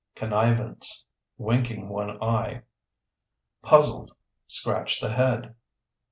Connivance (Winking one eye). Puzzled (Scratch the head).